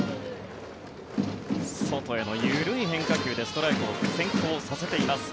外への緩い変化球でストライクを先行させています。